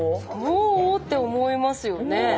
もうって思いますよね。